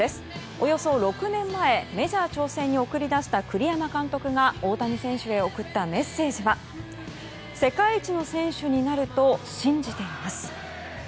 およそ６年前、メジャー挑戦に送り出した栗山監督が大谷選手へ送ったメッセージは世界一の選手になると信じています。